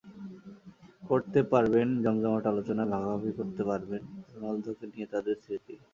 করতে পারবেন জমজমাট আলোচনা, ভাগাভাগি করতে পারবেন রোনালদোকে নিয়ে তাঁদের স্মৃতি।